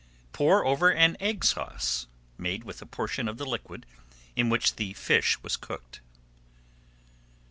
Pour over an Egg Sauce made with a portion of the liquid in which the fish was cooked.